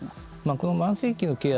この慢性期のケア